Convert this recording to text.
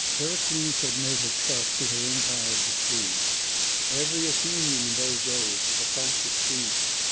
Pericles had made her trust to her empire of the seas. Every Athenian in those days was a practised seaman.